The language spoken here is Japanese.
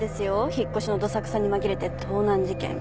引っ越しのどさくさに紛れて盗難事件。